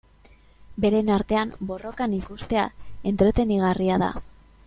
Beren artean borrokan ikustea entretenigarria da.